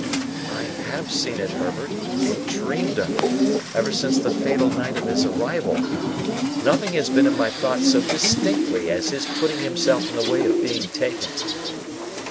"I have seen it, Herbert, and dreamed of it, ever since the fatal night of his arrival. Nothing has been in my thoughts so distinctly as his putting himself in the way of being taken."